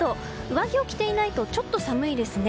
上着を着ていないとちょっと寒いですね。